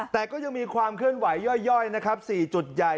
แต่ก็ยังมีความเคลื่อนไหวย่อยนะครับ๔จุดใหญ่